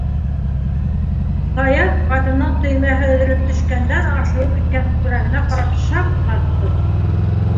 - Саяф ҡатындың төймәһе өҙөлөп төшкәндән асылып киткән күкрәгенә ҡарап шаҡ ҡатты: